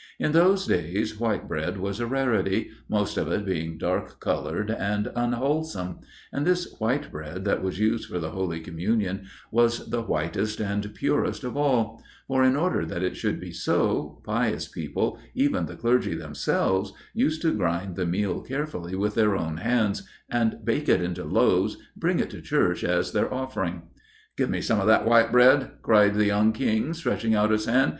In those days white bread was a rarity, most of it being dark coloured and unwholesome; and this white bread that was used for the Holy Communion was the whitest and purest of all; for, in order that it should be so, pious people, even the clergy themselves, used to grind the meal carefully with their own hands, and bake it into loaves, and bring it to the church as their offering. 'Give me some of that white bread,' cried the young King, stretching out his hand.